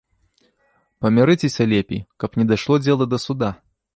Памірыцеся лепей, каб не дайшло дзела да суда!